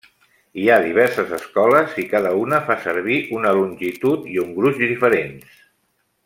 Hi ha diverses escoles, i cada una fa servir una longitud i un gruix diferents.